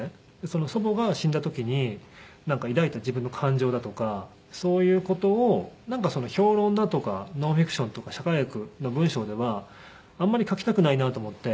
その祖母が死んだ時に抱いた自分の感情だとかそういう事を評論だとかノンフィクションとか社会学の文章ではあんまり書きたくないなと思って。